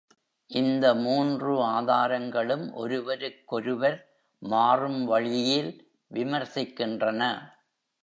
இந்த மூன்று ஆதாரங்களும் ஒருவருக்கொருவர் மாறும் வழியில் விமர்சிக்கின்றன.